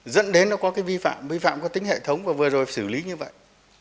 dẫn đến nó có cái vi phạm vi phạm có tính hệ thống và vừa rồi xử lý như vậy